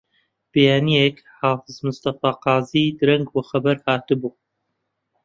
بەیانییەک حافز مستەفا قازی درەنگ وە خەبەر هاتبوو